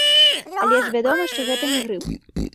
Але ж вядома, што гэта не грып.